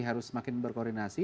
harus semakin berkoordinasi